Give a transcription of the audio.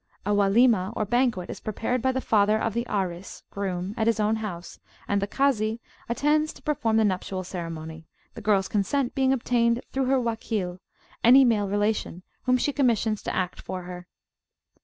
A Walimah or banquet is prepared by the father of the Aris (groom), at his own house, and the Kazi attends to perform the nuptial ceremony, the girls consent being obtained through her Wakil, any male relation whom she commissions to act for her.